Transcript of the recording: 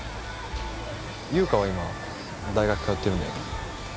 優香は今大学通ってるんだよね？